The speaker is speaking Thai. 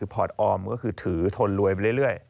พอตออมก็คือถือทนรวยไปเรื่อย